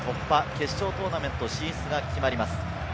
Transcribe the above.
決勝トーナメント進出が決まります。